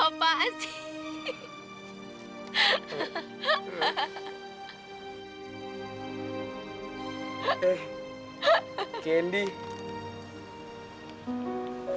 aku menghapuskan anda